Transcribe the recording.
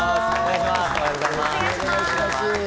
よろしくお願お願いします。